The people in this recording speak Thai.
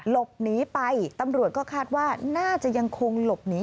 หลบหนีไปตำรวจก็คาดว่าน่าจะยังคงหลบหนี